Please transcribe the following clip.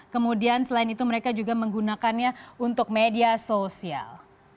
kemudian selain itu mereka juga menggunakannya untuk media sosial